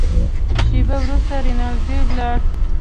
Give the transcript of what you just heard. شېبه وروسته رینالډي ولاړ.